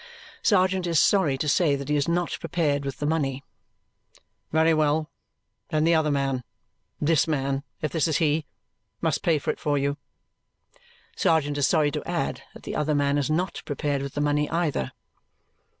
Sergeant is sorry to say that he is not prepared with the money. "Very well! Then the other man this man, if this is he must pay it for you." Sergeant is sorry to add that the other man is not prepared with the money either.